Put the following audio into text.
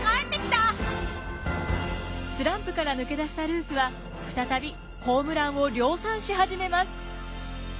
スランプから抜け出したルースは再びホームランを量産し始めます。